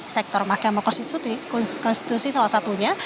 sektor mk salah satunya